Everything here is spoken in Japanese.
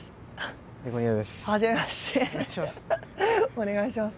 お願いします。